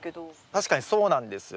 確かにそうなんですよ。